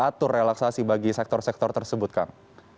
apakah sudah diatur relaksasi bagi sektor sektor tersebut kang